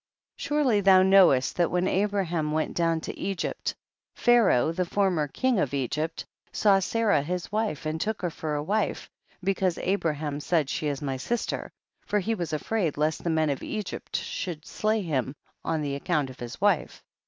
Surely thou knowest that when Abraham went down to Egypt, Pharaoh, the former king of Egypt, saw Sarah his wife, and took licr for a wife, because Abraham said, she is my sister, for he was afraid, lest the men of Egypt should slay him on account of his wife.